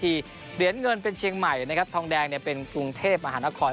เหรียญเงินเป็นเชียงใหม่นะครับทองแดงเนี่ยเป็นกรุงเทพมหานคร